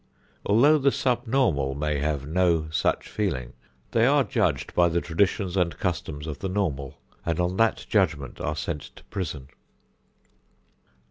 Although the subnormal may have no such feeling, they are judged by the traditions and customs of the normal and on that judgment are sent to prison.